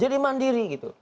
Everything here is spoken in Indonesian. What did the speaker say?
jadi mandiri gitu